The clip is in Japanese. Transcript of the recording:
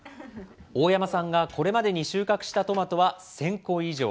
大山さんがこれまでに収穫したトマトは１０００個以上。